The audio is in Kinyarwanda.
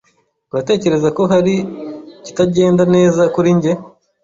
Uratekereza ko hari ikitagenda neza kuri njye?